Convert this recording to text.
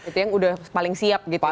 itu yang udah paling siap gitu